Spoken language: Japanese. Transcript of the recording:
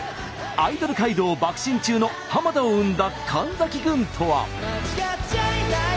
アイドル街道ばく進中の田を生んだ神崎郡とは？